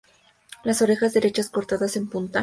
Las orejas derechas, cortadas en punta.